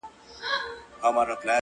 خزانې د سردارانو يې وهلې!!